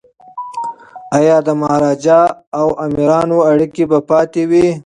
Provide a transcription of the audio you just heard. ایا د مهاراجا او امیرانو اړیکي به پاتې وي؟